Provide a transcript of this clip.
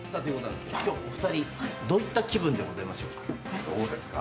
今日、お二人、どういった気分でございましょうか。